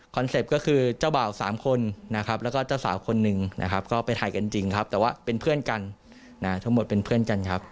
เซ็ปต์ก็คือเจ้าบ่าว๓คนนะครับแล้วก็เจ้าสาวคนหนึ่งนะครับก็ไปถ่ายกันจริงครับแต่ว่าเป็นเพื่อนกันทั้งหมดเป็นเพื่อนกันครับ